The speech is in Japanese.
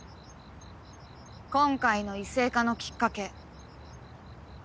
今回の異性化のきっかけ。